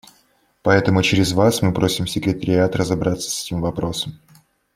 Поэтому через Вас мы просим секретариат разобраться с этим вопросом.